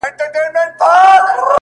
o زما خبرو ته لا نوري چیغي وکړه ـ